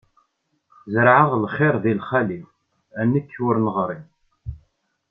Zerɛeɣ lxiṛ di lxali, a nekk ur neɣri!